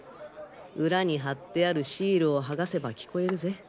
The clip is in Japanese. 裏に貼ってあるシールをはがせば聞こえるぜ？